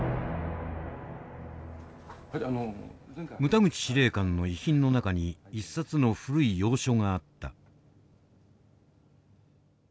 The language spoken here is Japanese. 牟田口司令官の遺品の中に一冊の古い洋書があった。